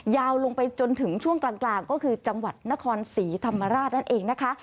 ยาวลงไปจนถึงช่วงกลางก็คือจังหวัดนครศรีธรรมราชนั่นเองนะคะ